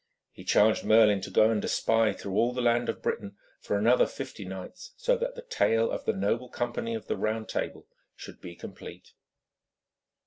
He charged Merlin to go and espy through all the land of Britain for another fifty knights, so that the tale of the noble company of the Round Table should be complete.